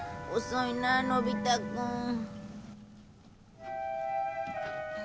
遅いなあのび太くん。